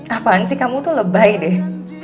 kapan sih kamu tuh lebay deh